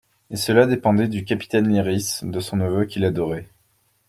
Et cela dépendait du capitaine Lyrisse, de son neveu qu'il adorait.